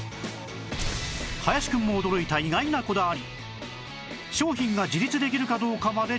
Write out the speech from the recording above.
林くんも驚いた意外なこだわり